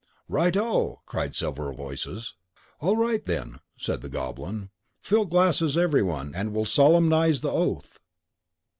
"Right O!" cried several voices. "All right, then," said the Goblin, "fill glasses everyone, and we'll solemnize the oath.